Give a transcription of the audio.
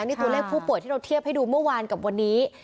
นี่ตัวเลขผู้ป่วยที่เราเทียบให้ดูเมื่อวานกับวันนี้